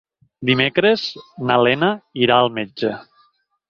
Dimecres na Lena irà al metge.